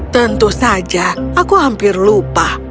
tentu saja aku hampir lupa